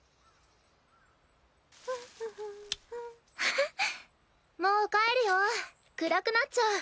フンフフンもう帰るよ暗くなっちゃう。